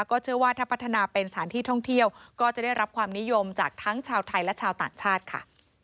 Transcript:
ก็เชื่อว่าถ้าพัฒนาเป็นสถานที่ท่องเที่ยวก็จะได้รับความนิยมจากทั้งชาวไทยและชาวต่างชาติค่ะ